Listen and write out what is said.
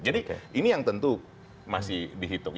jadi ini yang tentu masih dihitung